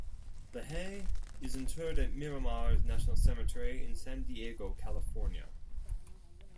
LaHaye is interred at Miramar National Cemetery in San Diego, California.